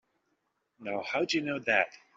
Now how'd you know that?